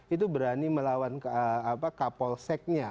itu berani melawan kapol seknya